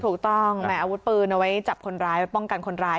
ถูกต้องแหละอาวุธปืนเอาไว้ป้องกันคนร้าย